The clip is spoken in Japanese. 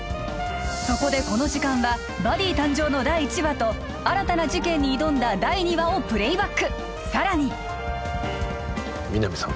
そこでこの時間はバディ誕生の第１話と新たな事件に挑んだ第２話をプレイバックさらに皆実さん